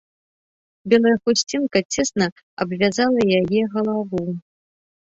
Белая хусцінка цесна абвязвала яе галаву.